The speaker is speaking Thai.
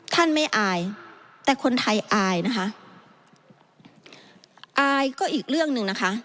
ท่านไม่อายแต่คนไทยอายนะคะอายก็อีกเรื่องหนึ่งนะคะ